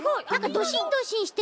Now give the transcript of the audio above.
ドシンドシンしてる。